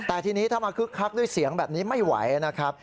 แต่ทีนี้ถ้ามาคึกคักด้วยเสียงแบบนี้ไม่ไหวนะครับ